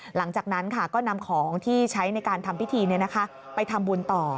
หลังจากนั้นก็นำของที่ใช้ในการทำพิธีไปทำบุญต่อ